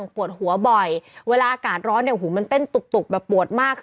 พี่หนุ่มบอกว่าพี่หนุ่มบอกว่าพี่หนุ่มบอกว่าพี่หนุ่มบอกว่าพี่หนุ่มบอกว่า